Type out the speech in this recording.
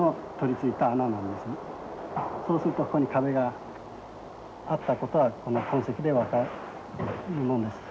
そうするとここに壁があったことはこの痕跡で分かるのです。